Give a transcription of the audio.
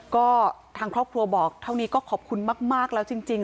ก็ทางครอบครัวบอกเท่านี้ก็ขอบคุณมากแล้วจริง